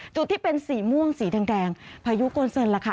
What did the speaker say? จุดที่เป็นสีม่วงสีแดงพายุโกนเซินล่ะค่ะ